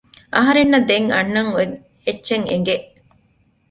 އަހަރެންނަށް ދެން އަންނަން އޮތް އެއްޗެއް އެނގެ